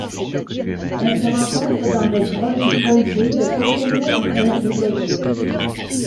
Elle se rencontre dans des grottes du Poljé de Popovo en Herzégovine.